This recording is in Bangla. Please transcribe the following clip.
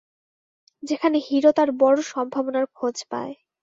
যেখানে হিরো তার বড় সম্ভাবনার খোঁজ পায়।